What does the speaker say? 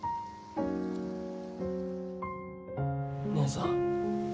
義姉さん。